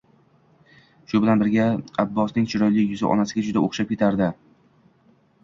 Shu bilan birga Abbosning chiroyli yuzi onasiga juda o`xshab ketardi